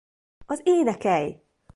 Az Énekelj!